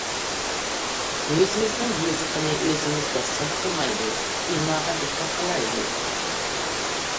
ئۆزىمىزنىڭ يېزىقىنى ئۆزىمىز دەپسەندە قىلمايلى! ئىملاغا دىققەت قىلايلى!